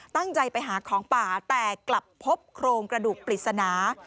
ตั้งใจไปหาของป่าแต่กลับพบโครงกระดูกปริศนา